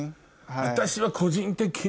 私は。